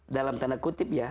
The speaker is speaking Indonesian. dalam tanda kutip ya